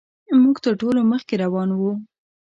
موږ تر ټولو مخکې روان وو.